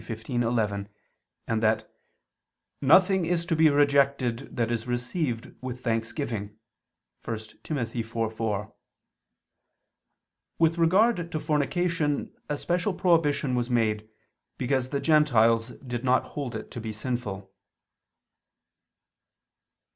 15:11); and that "nothing is to be rejected that is received with thanksgiving" (1 Tim. 4:4). With regard to fornication a special prohibition was made, because the Gentiles did not hold it to be sinful.